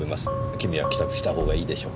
君は帰宅したほうがいいでしょう。